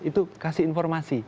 itu kasih informasi